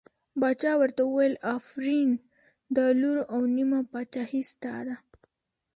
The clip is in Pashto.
باچا ورته وویل آفرین دا لور او نیمه پاچهي ستا ده.